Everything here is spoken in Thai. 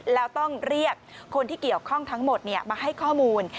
แล้วต้องเรียกคนที่เกี่ยวข้องทั้งหมดมาให้ข้อมูล